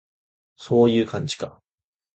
そういう感じか